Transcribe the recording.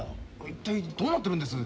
一体どうなってるんです？